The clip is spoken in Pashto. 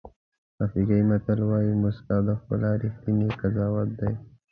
افریقایي متل وایي موسکا د ښکلا ریښتینی قضاوت دی.